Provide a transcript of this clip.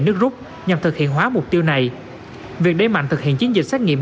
nước rút nhằm thực hiện hóa mục tiêu này việc đẩy mạnh thực hiện chiến dịch xét nghiệm